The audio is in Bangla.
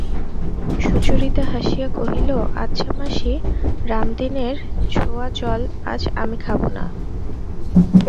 সুচরিতা হাসিয়া কহিল, আচ্ছা মাসি, রামদীনের ছোঁওয়া জল আজ আমি খাব না।